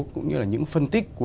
cũng như là những phân tích